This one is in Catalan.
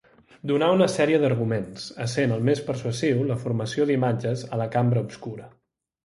Donà una sèrie d'arguments essent el més persuasiu la formació d’imatges a la cambra obscura.